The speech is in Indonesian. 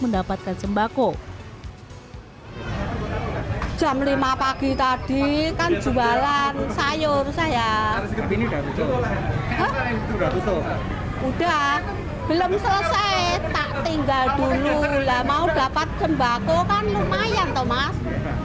mau dapat gembako kan lumayan thomas